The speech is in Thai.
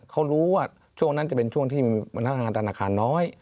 เขารู้ว่าช่วงนั้นจะเป็นช่วงที่มีพนักงานธนาคารน้อย